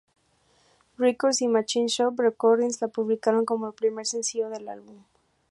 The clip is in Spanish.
Records y Machine Shop Recordings la publicaron como el primer sencillo del álbum.